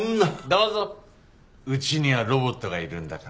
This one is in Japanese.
うちにはロボットがいるんだから。